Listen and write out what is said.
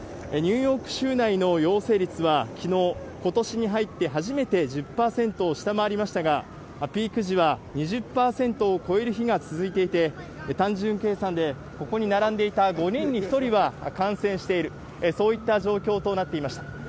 ニューヨーク州内の陽性率はきのう、ことしに入って初めて１０％を下回りましたが、ピーク時は２０％を超える日が続いていて、単純計算で、ここに並んでいた５人に１人は感染している、そういった状況となっていました。